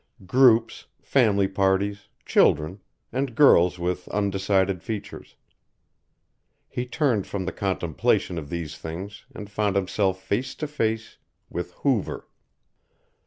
Groups, family parties, children, and girls with undecided features. He turned from the contemplation of these things and found himself face to face with Hoover.